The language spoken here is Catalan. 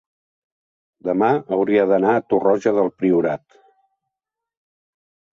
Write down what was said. demà hauria d'anar a Torroja del Priorat.